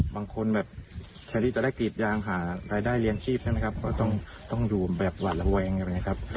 บางคนแบบแชร์ลี่จะได้กรีดยางหารายได้เรียนชีพนะครับก็ต้องอยู่แบบหวั่นระแวงนะครับ